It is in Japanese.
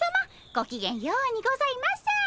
ごきげんようにございます。